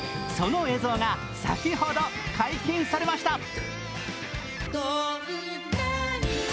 その映像が先ほど解禁されました。